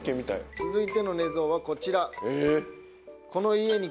続いての寝相はこちら。